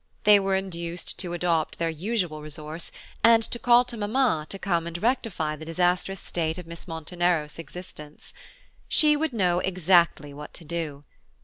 They were induced to adopt their usual resource, and to call to mamma to come and rectify the disastrous state of Miss Monteneros' existence. She would know exactly what to do.